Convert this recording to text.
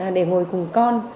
để ngồi cùng con